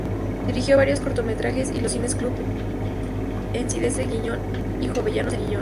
Dirigió varios cortometrajes y los cine-clubs Ensidesa-Gijón y Jovellanos de Gijón.